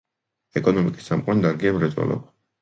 ეკონომიკის წამყვანი დარგია მრეწველობა.